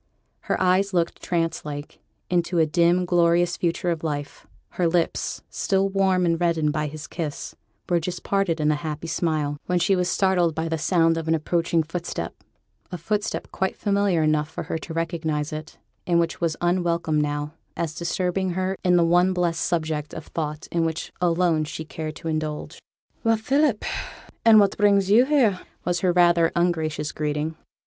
Her eyes looked, trance like, into a dim, glorious future of life; her lips, still warm and reddened by his kiss, were just parted in a happy smile, when she was startled by the sound of an approaching footstep a footstep quite familiar enough for her to recognize it, and which was unwelcome now, as disturbing her in the one blessed subject of thought in which alone she cared to indulge. 'Well, Philip! an' what brings yo' here?' was her rather ungracious greeting.